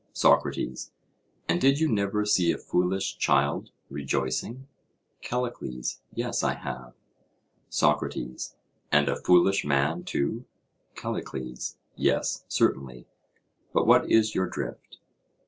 SOCRATES: And did you never see a foolish child rejoicing? CALLICLES: Yes, I have. SOCRATES: And a foolish man too? CALLICLES: Yes, certainly; but what is your drift?